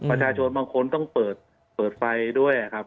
ประชาชนบางคนต้องเปิดไฟด้วยครับ